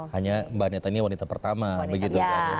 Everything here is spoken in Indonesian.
hanya mbak neta ini wanita pertama begitu kan